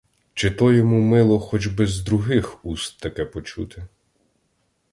Чи то йому мило хоч би з других уст таке почути.